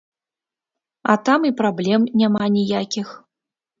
А там і праблем няма ніякіх.